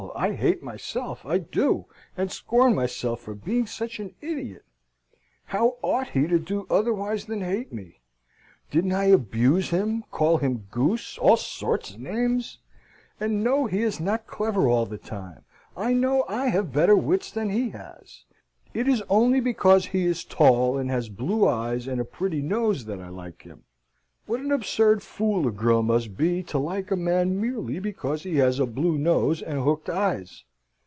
I hate myself, I do, and scorn myself for being such an idiot. How ought he to do otherwise than hate me? Didn't I abuse him, call him goose, all sorts of names? And know he is not clever all the time. I know I have better wits than he has. It is only because he is tall, and has blue eyes, and a pretty nose that I like him. What an absurd fool a girl must be to like a man merely because he has a blue nose and hooked eyes!